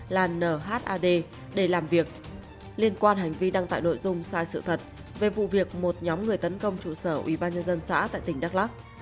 liên quan hành vi đăng tải nội dung sai sự thật về vụ việc một nhóm người tấn công trụ sở ubnd xã tại tỉnh đắk lắc